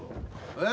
え？